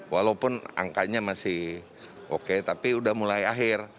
walaupun angkanya masih oke tapi udah mulai akhir